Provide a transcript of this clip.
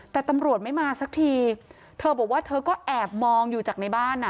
แต่ตำรวจไม่มาสักทีเธอบอกว่าเธอก็แอบมองอยู่จากในบ้านอ่ะ